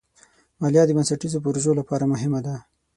مالیه د بنسټیزو پروژو لپاره مهمه ده.